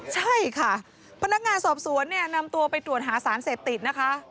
ใช่ค่ะพนักงานสอบสวนเนี่ยนำตัวไปตรวจหาสารเสพติดนะคะ